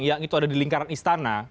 yang itu ada di lingkaran istana